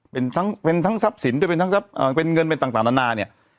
เป็นทั้งเป็นทั้งทรัพย์สินด้วยเป็นทั้งทรัพย์เป็นเงินเป็นต่างนานาเนี่ย